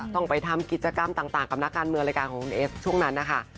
ต้องไปทำกิจกรรมต่างกับนักการเมืองรายการของคุณเอสช่วงนั้นนะคะ